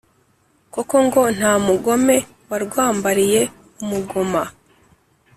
Koko ngo nta mugome warwambariye umugoma